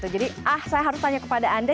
jadi ah saya harus tanya kepada anda